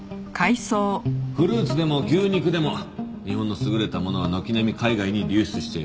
フルーツでも牛肉でも日本の優れたものは軒並み海外に流出している。